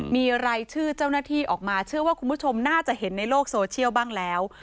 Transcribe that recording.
มีรายชื่อเจ้าหน้าที่ออกมาเชื่อว่าคุณผู้ชมน่าจะเห็นในโลกโซเชียลบ้างแล้ว